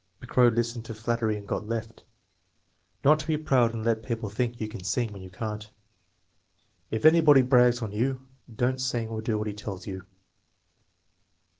"The crow listened to flattery and got left." "Not to be proud and let people think you can sing when you can't." "If anybody brags on you don't sing or do what he tells you."